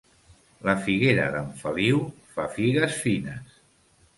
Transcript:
La figuera d'en Feliu fa figues fines.